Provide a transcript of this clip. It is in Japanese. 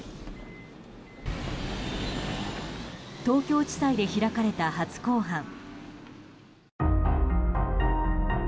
東京地裁で開かれた初公判。